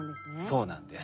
そうなんです。